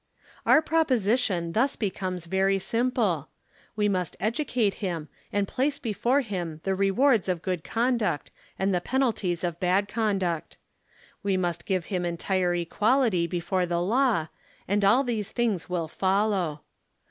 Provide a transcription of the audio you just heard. Our proposition thus becomes very simple ; we must educate him and place before him the rewards of good conduct and the penalties of bad conduct. We must give give him entire equality before the law and all these things will follow.